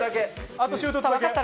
あとはシュートを打つだけ。